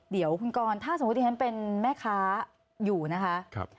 เดี๋ยวคุณกรถ้าสมมุติฉันเป็นแม่ค้าอยู่นะคะ